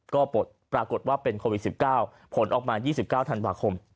ก็ปรากฏว่าเป็นโควิด๑๙ผลออกมา๒๙ธันวาคม